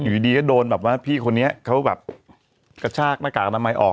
อยู่ดีก็โดนแบบว่าพี่คนนี้เขาแบบกระชากหน้ากากอนามัยออก